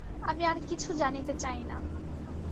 আমি আর কিছু জানিতে চাই না।